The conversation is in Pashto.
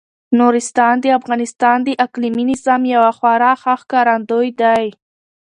نورستان د افغانستان د اقلیمي نظام یو خورا ښه ښکارندوی دی.